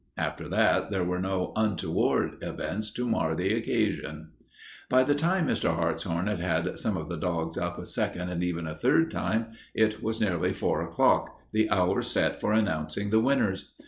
After that there were no untoward events to mar the occasion. By the time Mr. Hartshorn had had some of the dogs up a second and even a third time it was nearly four o'clock, the hour set for announcing the winners.